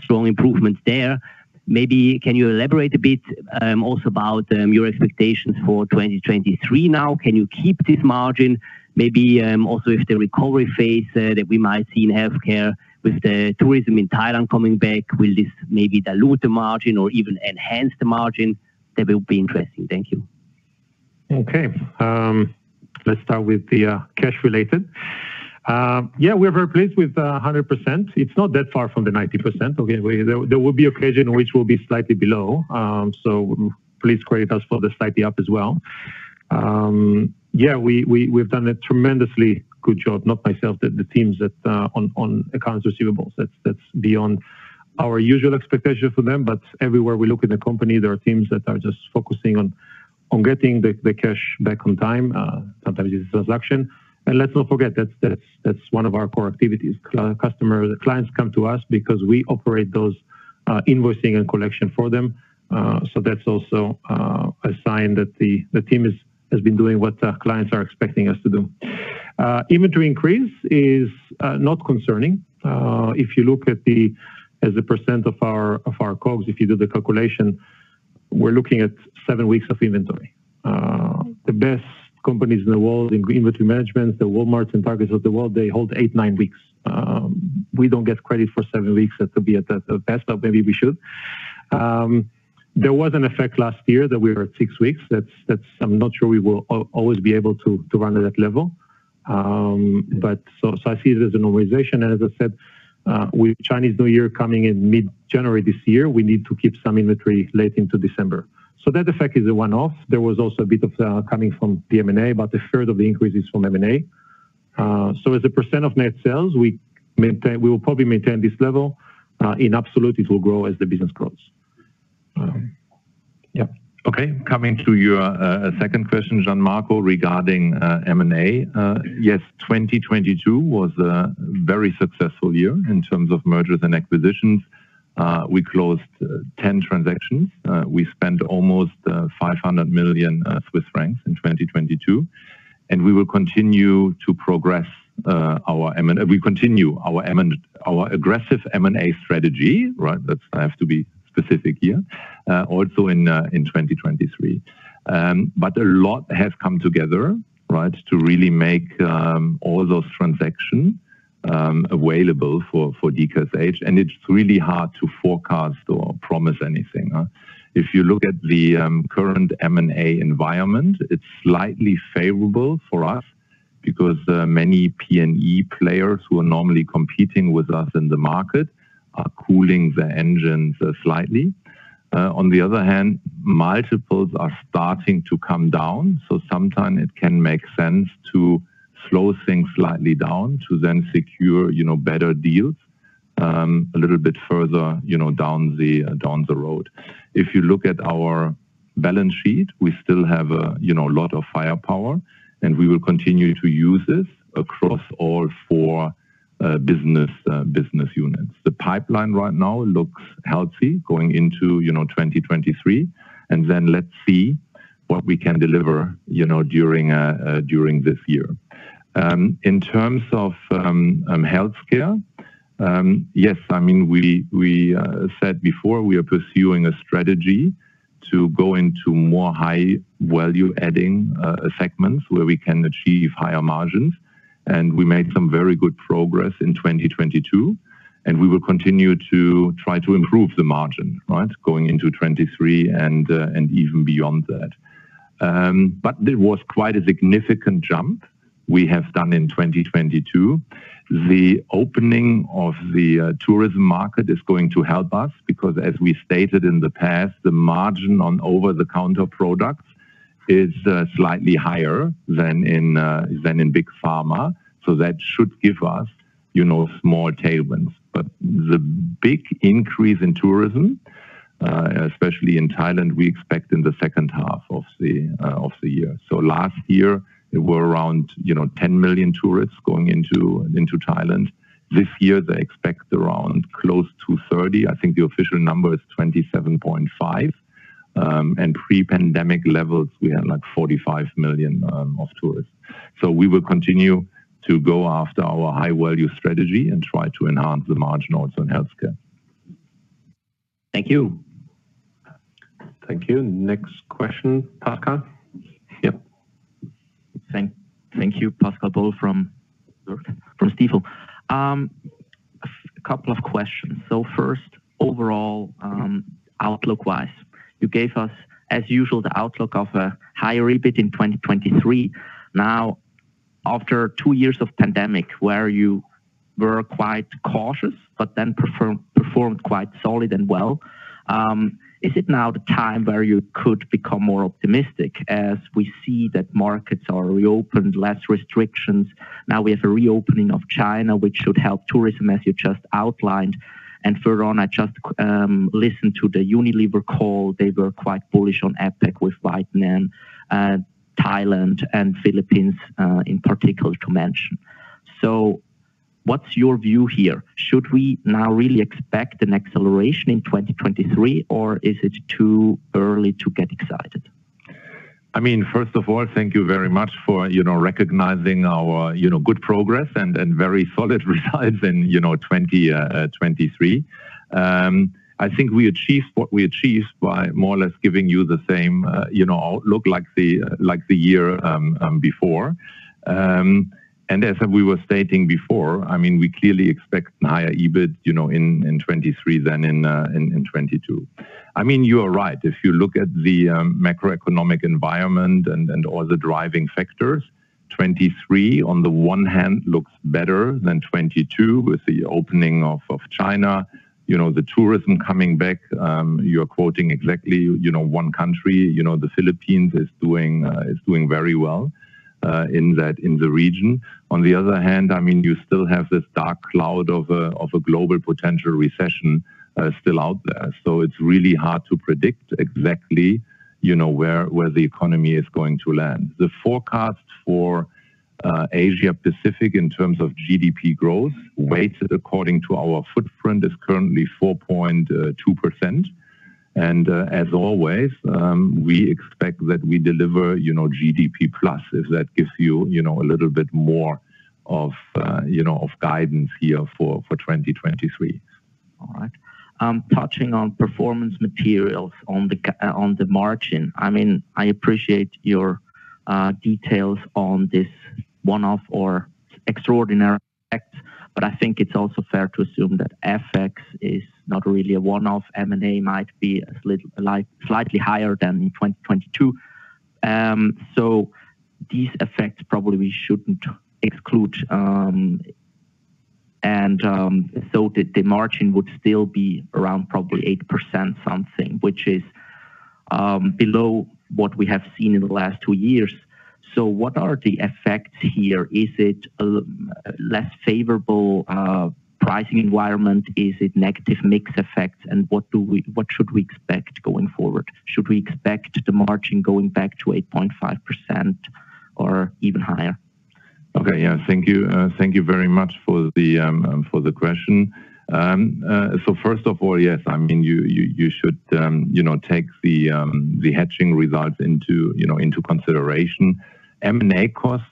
strong improvements there. Maybe can you elaborate a bit, also about your expectations for 2023 now? Can you keep this margin? Maybe, also if the recovery phase that we might see in healthcare with the tourism in Thailand coming back, will this maybe dilute the margin or even enhance the margin? That will be interesting. Thank you. Okay. Let's start with the cash related. Yeah, we're very pleased with 100%. It's not that far from the 90%. Okay, there will be occasion which will be slightly below. Please credit us for the slightly up as well. Yeah, we've done a tremendously good job, not myself, the teams that on accounts receivables. That's beyond our usual expectation for them. But everywhere we look in the company, there are teams that are just focusing on getting the cash back on time, sometimes it's transaction. Let's not forget that's one of our core activities. Customer, clients come to us because we operate those invoicing and collection for them. That's also a sign that the team is, has been doing what clients are expecting us to do. Inventory increase is not concerning. If you look at the, as a % of our costs, if you do the calculation, we're looking at 7 weeks of inventory. The best companies in the world in inventory management, the Walmarts and Targets of the world, they hold 8, 9 weeks. We don't get credit for 7 weeks. That could be at the best, but maybe we should. There was an effect last year that we were at 6 weeks. That's I'm not sure we will always be able to run at that level. I see it as a normalization. As I said, with Chinese New Year coming in mid-January this year, we need to keep some inventory late into December. That effect is a one-off. There was also a bit of coming from the M&A. A third of the increase is from M&A. As a % of net sales, we maintain, we will probably maintain this level. In absolute, it will grow as the business grows. Yeah. Okay. Coming to your second question, Gian marco Werro, regarding M&A. Yes, 2022 was a very successful year in terms of mergers and acquisitions. We closed 10 transactions. We spent almost 500 million Swiss francs in 2022, and we will continue to progress our aggressive M&A strategy, right? That's I have to be specific here, also in 2023. A lot has come together, right, to really make all those transactions available for DKSH Discover. It's really hard to forecast or promise anything. If you look at the current M&A environment, it's slightly favorable for us because many PM players who are normally competing with us in the market are cooling their engines slightly. On the other hand, multiples are starting to come down, sometimes it can make sense to slow things slightly down to then secure, you know, better deals, a little bit further, you know, down the road. If you look at our balance sheet, we still have, you know, a lot of firepower, and we will continue to use this across all four business units. The pipeline right now looks healthy going into, you know, 2023, let's see what we can deliver, you know, during this year. In terms of healthcare, yes, I mean, we said before we are pursuing a strategy to go into more high value-adding segments where we can achieve higher margins, and we made some very good progress in 2022, and we will continue to try to improve the margin, right, going into 2023 and even beyond that. It was quite a significant jump we have done in 2022. The opening of the tourism market is going to help us because, as we stated in the past, the margin on over-the-counter products is slightly higher than in than in big pharma. That should give us, you know, small tailwinds. The big increase in tourism, especially in Thailand, we expect in the second half of the of the year. Last year, there were around, you know, 10 million tourists going into Thailand. This year, they expect around close to 30. I think the official number is 27.5. And pre-pandemic levels, we had like 45 million of tourists. We will continue to go after our high-value strategy and try to enhance the margin also in healthcare. Thank you. Thank you. Next question, Pascal. Yep. Thank you. Pascal Boll from Stifel. A couple of questions. First, overall, outlook-wise, you gave us, as usual, the outlook of a higher EBIT in 2023. Now, after two years of pandemic where you were quite cautious but then performed quite solid and well, is it now the time where you could become more optimistic as we see that markets are reopened, less restrictions? Now we have a reopening of China, which should help tourism, as you just outlined. Further on, I just listened to the Unilever call. They were quite bullish on APAC with Vietnam and Thailand and Philippines in particular to mention. What's your view here? Should we now really expect an acceleration in 2023, or is it too early to get excited? I mean, first of all, thank you very much for, you know, recognizing our, you know, good progress and very solid results in, you know, 2023. I think we achieved what we achieved by more or less giving you the same, you know, outlook like the year before. As we were stating before, I mean, we clearly expect higher EBIT, you know, in 2023 than in 2022. I mean, you are right. If you look at the macroeconomic environment and all the driving factors, 2023 on the one hand looks better than 2022 with the opening of China. You know, the tourism coming back, you're quoting exactly, you know, one country. You know, the Philippines is doing very well in the region. On the other hand, I mean, you still have this dark cloud of a, of a global potential recession, still out there. It's really hard to predict exactly, you know, where the economy is going to land. The forecast for Asia Pacific in terms of GDP growth, weighted according to our footprint, is currently 4.2%. As always, we expect that we deliver, you know, GDP plus, if that gives you know, a little bit more of, you know, of guidance here for 2023. All right. Touching on Performance Materials on the margin. I mean, I appreciate your details on this one-off or extraordinary effect, but I think it's also fair to assume that FX is not really a one-off. M&A might be slightly higher than in 2022. So these effects probably we shouldn't exclude, and so the margin would still be around probably 8% something, which is below what we have seen in the last two years. So what are the effects here? Is it a less favorable pricing environment? Is it negative mix effects? And what should we expect going forward? Should we expect the margin going back to 8.5% or even higher? Okay. Yeah. Thank you. Thank you very much for the question. First of all, yes, I mean, you, you should, you know, take the hedging results into, you know, into consideration. M&A costs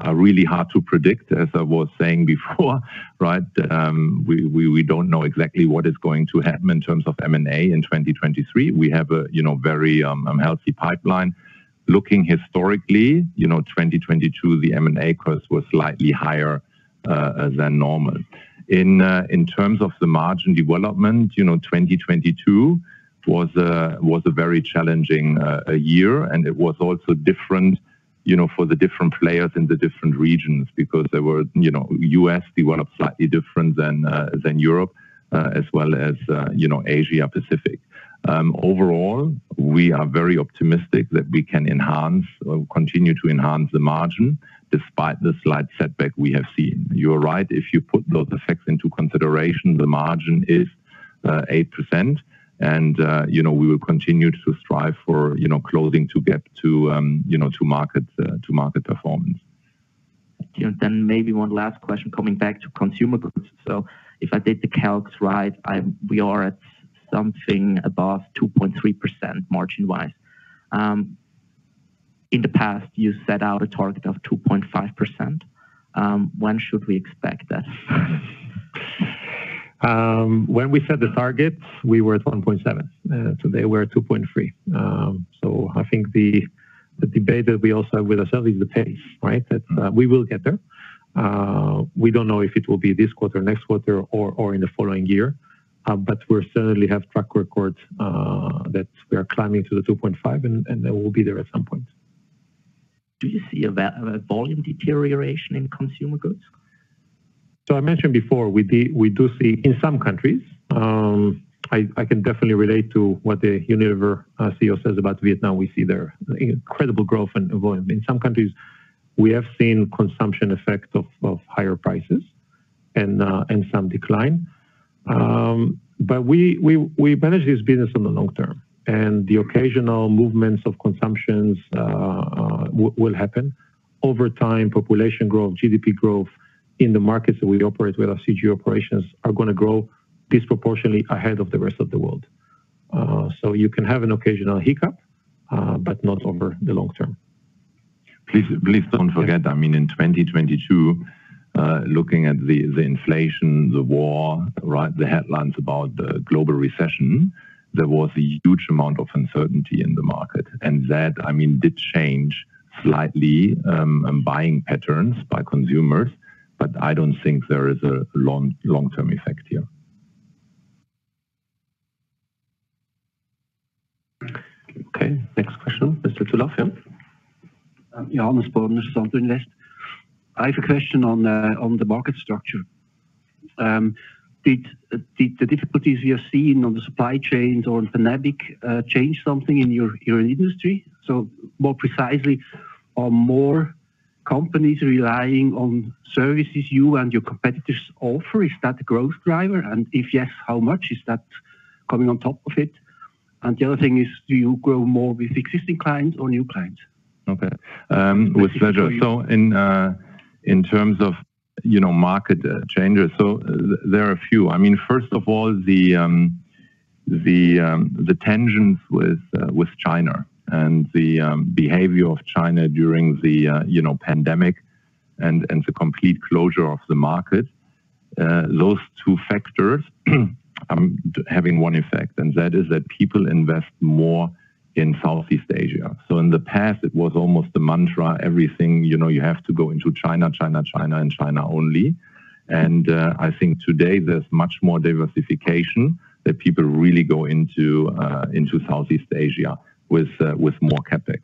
are really hard to predict, as I was saying before, right? We don't know exactly what is going to happen in terms of M&A in 2023. We have a, you know, very healthy pipeline. Looking historically, you know, 2022, the M&A cost was slightly higher than normal. In terms of the margin development, you know, 2022 was a very challenging year, and it was also different, you know, for the different players in the different regions because there were, you know, US developed slightly different than Europe, as well as, you know, Asia Pacific. Overall, we are very optimistic that we can enhance or continue to enhance the margin despite the slight setback we have seen. You're right. If you put those effects into consideration, the margin is 8%, and, you know, we will continue to strive for, you know, closing to get to, you know, to market, to market performance. Maybe one last question coming back to consumer goods. If I did the calcs right, we are at something above 2.3% margin-wise. In the past, you set out a target of 2.5%. When should we expect that? When we set the targets, we were at 1.7. Today we're at 2.3. I think the debate that we also have with ourselves is the pace, right? That we will get there. We don't know if it will be this quarter, next quarter or in the following year. We certainly have track records that we are climbing to the 2.5 and then we'll be there at some point. Do you see a volume deterioration in consumer goods? I mentioned before, we do see in some countries, I can definitely relate to what the Unilever CEO says about Vietnam. We see their incredible growth in volume. In some countries, we have seen consumption effect of higher prices and some decline. We manage this business in the long term, and the occasional movements of consumptions will happen. Over time, population growth, GDP growth in the markets that we operate with our CG operations are gonna grow disproportionately ahead of the rest of the world. You can have an occasional hiccup, but not over the long term. Please, please don't forget, I mean, in 2022, looking at the inflation, the war, right, the headlines about the global recession, there was a huge amount of uncertainty in the market. And that, I mean, did change slightly, buying patterns by consumers, but I don't think there is a long-term effect here. Next question, Mr. Tulov, yeah. Yeah. Hannes Bähler, Sandton Invest. I have a question on the market structure. Did the difficulties you're seeing on the supply chains or in pandemic change something in your industry? More precisely, are more companies relying on services you and your competitors offer? Is that the growth driver? If yes, how much is that coming on top of it? The other thing is, do you grow more with existing clients or new clients? Okay. With pleasure. In terms of, you know, market changes, there are a few. I mean, first of all, the tensions with China and the behavior of China during the, you know, pandemic and the complete closure of the market, those two factors having one effect, and that is that people invest more in Southeast Asia. In the past, it was almost the mantra, everything, you know, you have to go into China, China and China only. I think today there's much more diversification that people really go into Southeast Asia with more CapEx.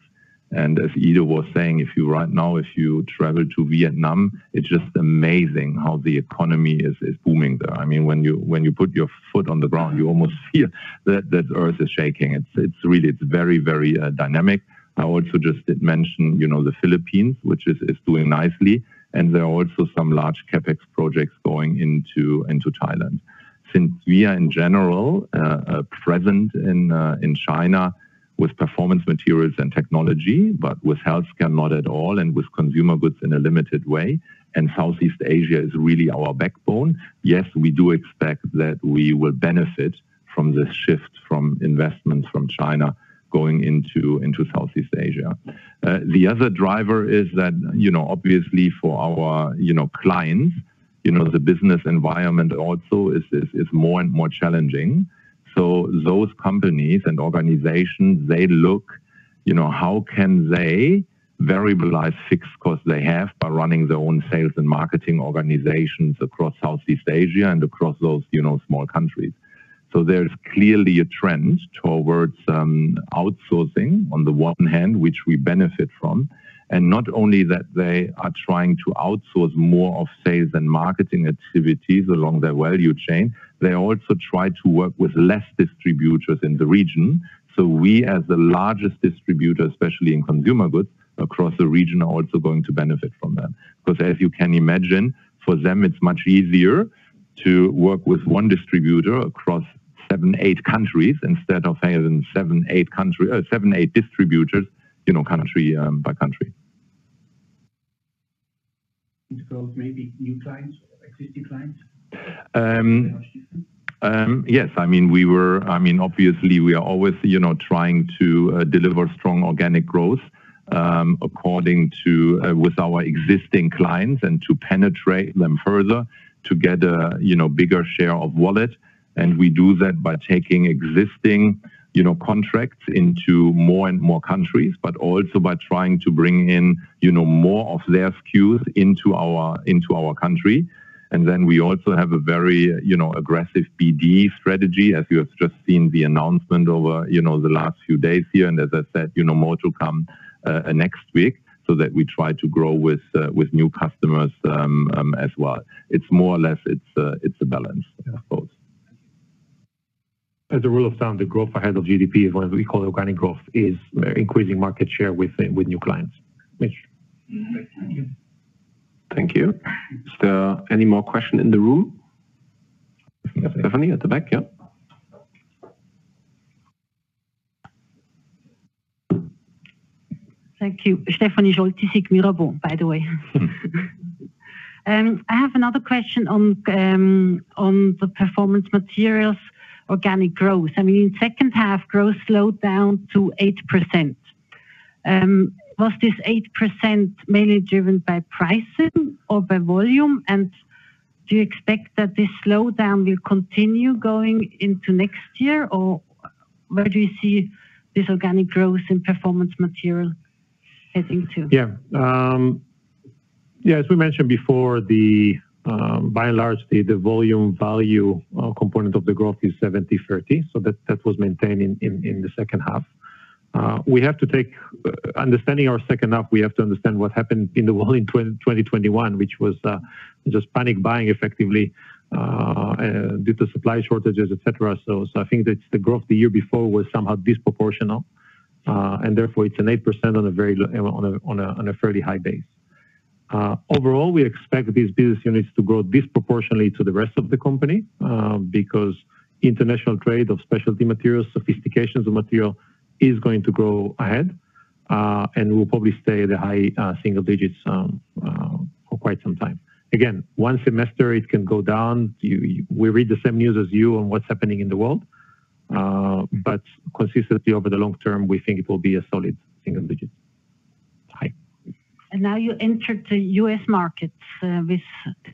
As Ido was saying, if you right now, if you travel to Vietnam, it's just amazing how the economy is booming there. I mean, when you, when you put your foot on the ground, you almost feel that the earth is shaking. It's really very, very dynamic. I also just did mention, you know, the Philippines, which is doing nicely, and there are also some large CapEx projects going into Thailand. Since we are in general present in China with Performance Materials and technology, but with healthcare not at all and with consumer goods in a limited way, and Southeast Asia is really our backbone, yes, we do expect that we will benefit from this shift from investments from China going into Southeast Asia. The other driver is that, you know, obviously for our, you know, clients, you know, the business environment also is more and more challenging. Those companies and organizations, they look, you know, how can they variabilize fixed costs they have by running their own sales and marketing organizations across Southeast Asia and across those, you know, small countries. There is clearly a trend towards outsourcing on the one hand, which we benefit from. Not only that they are trying to outsource more of sales and marketing activities along their value chain, they also try to work with less distributors in the region. We, as the largest distributor, especially in consumer goods across the region, are also going to benefit from that. 'Cause as you can imagine, for them it's much easier to work with one distributor across seven, eight countries instead of having seven, eight distributors, you know, country by country. Which growth, maybe new clients or existing clients? Yes. I mean, obviously, we are always, you know, trying to deliver strong organic growth, according to with our existing clients and to penetrate them further to get a, you know, bigger share of wallet, and we do that by taking existing, you know, contracts into more and more countries, but also by trying to bring in, you know, more of their SKUs into our country. We also have a very, you know, aggressive BD strategy, as you have just seen the announcement over, you know, the last few days here. As I said, you know, more to come next week, so that we try to grow with new customers as well. It's more or less, it's a balance, I suppose. As a rule of thumb, the growth ahead of GDP is what we call organic growth, is increasing market share with new clients. Mitch? Mm-hmm. Thank you. Thank you. Is there any more question in the room? Stephanie at the back, yeah. Thank you. Stephanie Scholte, Mirabaud Group, by the way. I have another question on on the Performance Materials organic growth. I mean, in second half, growth slowed down to 8%. Was this 8% mainly driven by pricing or by volume? Do you expect that this slowdown will continue going into next year? Where do you see this organic growth in Performance Material heading to? Yeah. Yeah, as we mentioned before, the by and large, the volume value component of the growth is 70/30, that was maintained in the second half. We have to take. Understanding our second half, we have to understand what happened in the world in 2020, 2021, which was just panic buying effectively due to supply shortages, et cetera. I think that the growth the year before was somehow disproportional. And therefore it's an 8% on a very on a fairly high base. Overall, we expect these business units to grow disproportionately to the rest of the company because international trade of specialty materials, sophistications of material is going to grow ahead and will probably stay the high single digits for quite some time. Again, one semester it can go down. You, we read the same news as you on what's happening in the world. Consistently over the long term, we think it will be a solid single digits high. Now you entered the U.S. market, with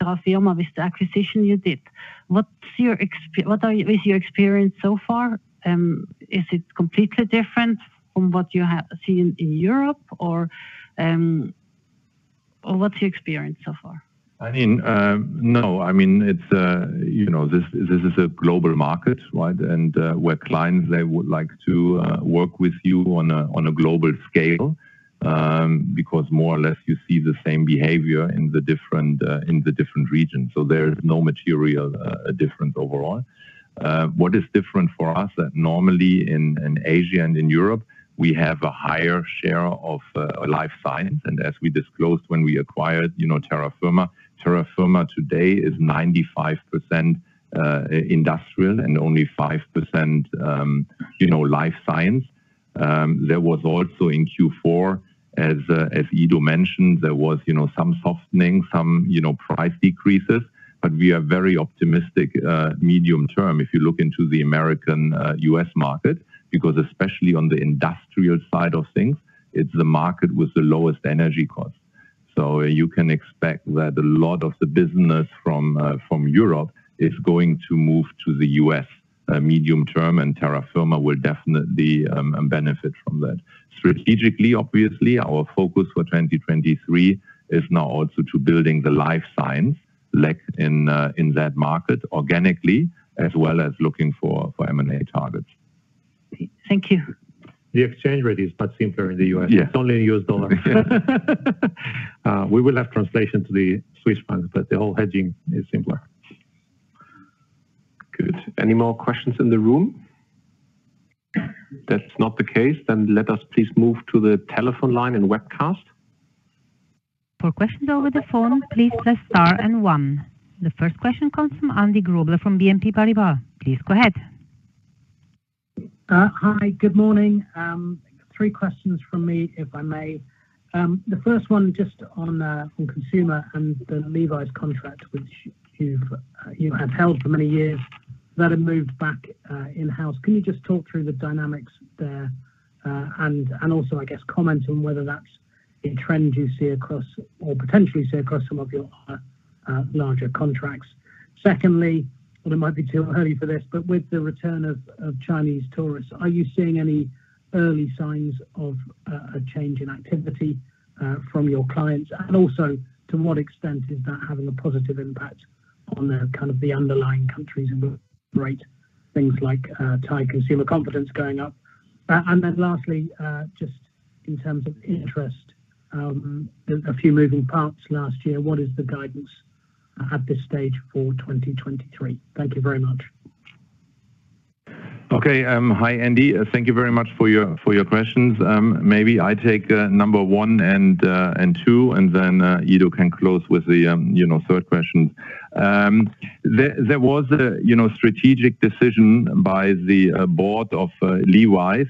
Terra Firma, with the acquisition you did. What's your experience so far, is it completely different from what you have seen in Europe? What's your experience so far? I mean, no. I mean, it's, you know, this is a global market, right? Where clients, they would like to work with you on a global scale, because more or less you see the same behavior in the different regions. There is no material difference overall. What is different for us that normally in Asia and in Europe, we have a higher share of life science. As we disclosed when we acquired, you know, Terra Firma, Terra Firma today is 95% industrial and only 5%, you know, life science. There was also in Q4, as Ido mentioned, there was, you know, some softening, some, you know, price decreases, but we are very optimistic, medium term if you look into the American, U.S. market, because especially on the industrial side of things, it's the market with the lowest energy costs. You can expect that a lot of the business from Europe is going to move to the U.S., medium term, and Terra Firma will definitely benefit from that. Strategically, obviously, our focus for 2023 is now also to building the life science leg in that market organically as well as looking for M&A targets. Thank you. The exchange rate is much simpler in the U.S. Yeah. It's only US dollar. We will have translation to the Swiss franc, but the whole hedging is simpler. Good. Any more questions in the room? That's not the case, then let us please move to the telephone line and webcast. For questions over the phone, please press star and one. The first question comes from Andy Grobler from BNP Paribas. Please go ahead. Hi, good morning. Three questions from me, if I may. The first one just on consumer and the Levi's contract, which you've, you have held for many years. That have moved back in-house. Can you just talk through the dynamics there, and also, I guess, comment on whether that's a trend you see across or potentially see across some of your larger contracts. Secondly, well it might be too early for this, but with the return of Chinese tourists, are you seeing any early signs of a change in activity from your clients? To what extent is that having a positive impact on the kind of the underlying countries and the great things like Thai consumer confidence going up? Lastly, just in terms of interest, a few moving parts last year. What is the guidance at this stage for 2023? Thank you very much. Okay, hi Andy. Thank you very much for your questions. Maybe I take number 1 and 2, and then Ido can close with the, you know, 3rd question. There was a, you know, strategic decision by the board of Levi's,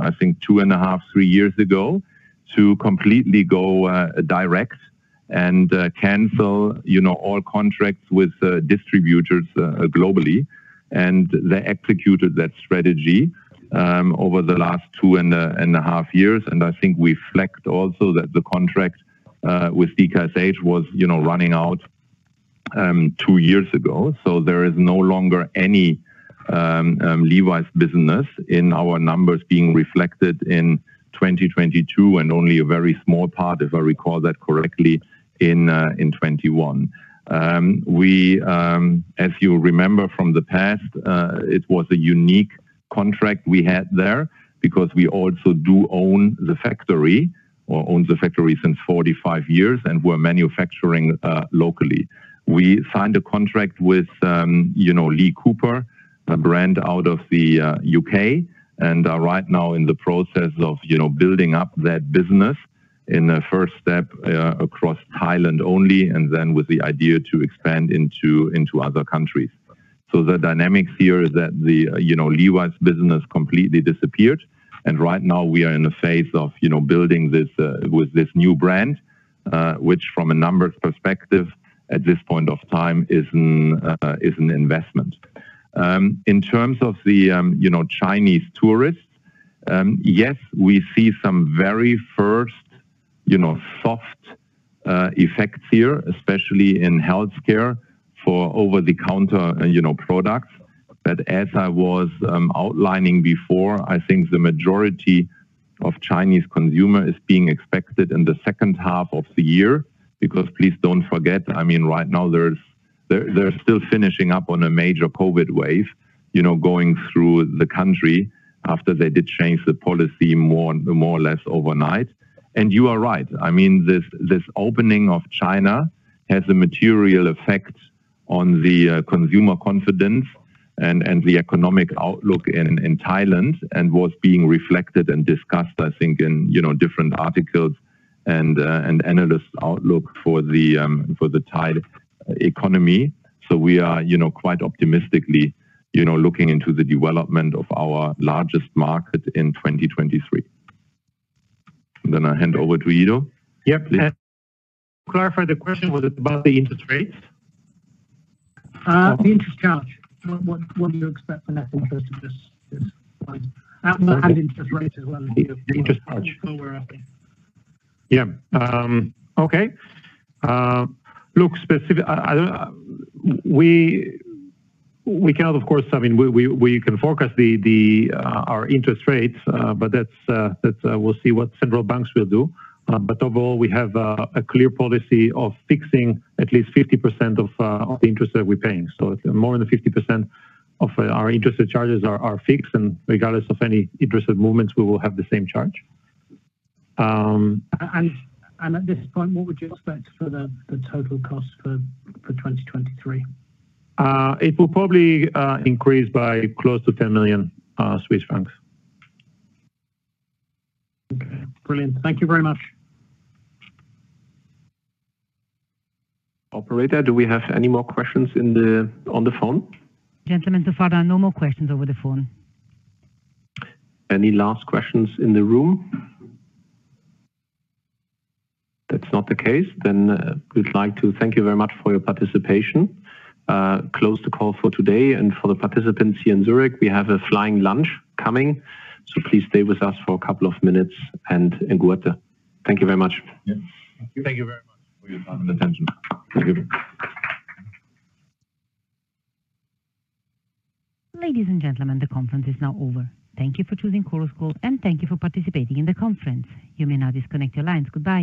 I think 2 and a half, 3 years ago, to completely go direct and cancel, you know, all contracts with distributors globally. They executed that strategy over the last 2 and a half years. I think we reflect also that the contract with DKSH was, you know, running out 2 years ago. There is no longer any Levi's business in our numbers being reflected in 2022, and only a very small part, if I recall that correctly, in 2021. We, as you remember from the past, it was a unique contract we had there because we also do own the factory or owned the factory since 45 years and were manufacturing locally. We signed a contract with, you know, Lee Cooper, a brand out of the UK, and are right now in the process of, you know, building up that business in a first step, across Thailand only, and then with the idea to expand into other countries. The dynamics here is that the, you know, Levi's business completely disappeared, and right now we are in a phase of, you know, building this with this new brand, which from a numbers perspective at this point of time is an investment. In terms of the Chinese tourists, yes, we see some very first soft effects here, especially in healthcare for over-the-counter products. As I was outlining before, I think the majority of Chinese consumer is being expected in the second half of the year because please don't forget, right now they're still finishing up on a major Covid wave going through the country after they did change the policy more or less overnight. You are right. This opening of China has a material effect on the consumer confidence and the economic outlook in Thailand and was being reflected and discussed, I think in different articles and analysts' outlook for the Thai economy. We are, you know, quite optimistically, you know, looking into the development of our largest market in 2023. I hand over to Ido. Yep. Please. To clarify, the question was about the interest rates? The interest charge. What do you expect the net interest of this one? Interest rates as well. The interest charge. Go where I think. Yeah. Okay. Look, We cannot of course... I mean, we can forecast the our interest rates, but that's we'll see what central banks will do. Overall we have a clear policy of fixing at least 50% of the interest that we're paying. More than 50% of our interest charges are fixed, and regardless of any interest rate movements, we will have the same charge. At this point, what would you expect for the total cost for 2023? It will probably increase by close to 10 million Swiss francs. Okay. Brilliant. Thank you very much. Operator, do we have any more questions in the, on the phone? Gentlemen, so far there are no more questions over the phone. Any last questions in the room? That's not the case. We'd like to thank you very much for your participation. Close the call for today. For the participants here in Zurich, we have a flying lunch coming, so please stay with us for a couple of minutes and enjoy that. Thank you very much. Yeah. Thank you very much for your time and attention. Thank you. Ladies and gentlemen, the conference is now over. Thank you for choosing Chorus Call, and thank you for participating in the conference. You may now disconnect your lines. Goodbye.